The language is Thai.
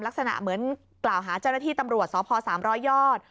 ลักษณะเหมือนกล่าวหาเจ้าหน้าที่ตำรวจสพ๓๐๐ยอด